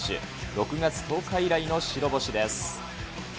６月１０日以来の白星です。